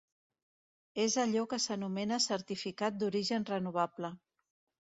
És allò que s’anomena certificat d’origen renovable.